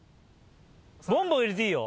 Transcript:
ボンボン入れていいよ！